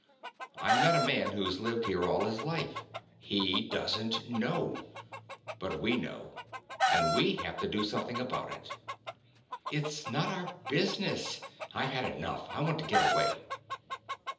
I met a man who's lived here all his life. He doesn't know. But we know ... and we have to do something about it." "It's not our business. I've had enough. I want to get away."